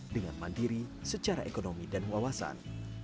dengan mandiri secara ekonomi dan wawasan